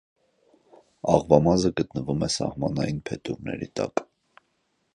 Աղվամազը գտնվում է սահմանային փետուրների տակ։